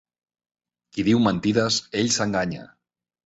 Qui diu mentides, ell s'enganya.